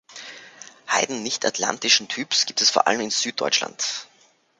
Heiden nicht-atlantischen Typs gibt es vor allem in Süddeutschland.